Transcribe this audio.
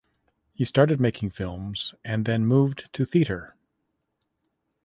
He started making films and then moved to theater.